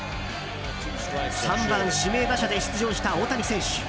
３番指名打者で出場した大谷選手。